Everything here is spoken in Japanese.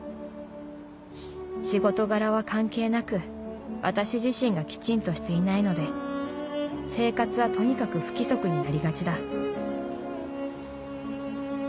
仕事柄は関係なく私自身がきちんとしていないので生活はとにかく不規則になりがちだ」。